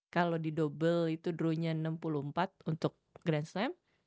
kalau di double itu drawnya enam puluh empat untuk grand slam